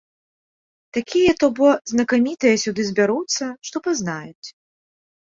Такія то бо знакамітыя сюды збяруцца, што пазнаюць.